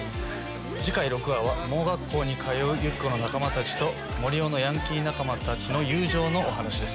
次回６話は盲学校に通うユキコの仲間たちと森生のヤンキー仲間たちの友情のお話です。